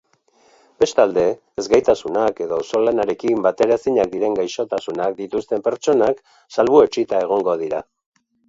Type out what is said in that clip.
Bestalde, ezgaitasunak edo auzolanarekin bateraezinak diren gaixotasunak dituzten pertsonak salbuetsita egongo dira.